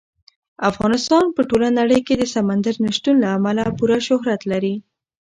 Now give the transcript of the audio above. افغانستان په ټوله نړۍ کې د سمندر نه شتون له امله پوره شهرت لري.